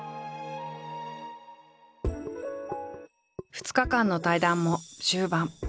２日間の対談も終盤。